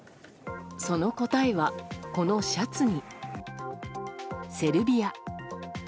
その答えは、このシャツに。